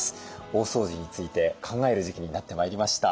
大掃除について考える時期になってまいりました。